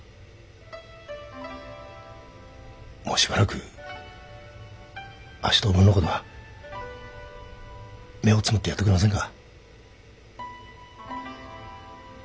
もうしばらくあっしとおぶんの事は目をつむってやってくれませんか。